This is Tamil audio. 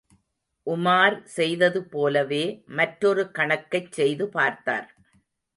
உமார் செய்தது போலவே, மற்றொரு கணக்கைச் செய்து பார்த்தார்.